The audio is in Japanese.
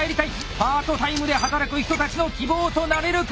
パートタイムで働く人たちの希望となれるか？